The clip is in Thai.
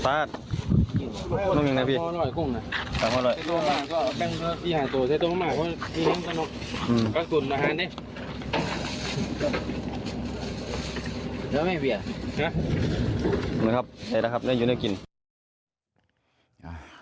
ใช่แล้วครับนั่นอยู่หน้ากิน